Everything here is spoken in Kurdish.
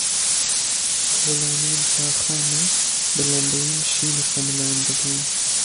Kolanên taxa me bi lembeyên şîn xemilandibûn.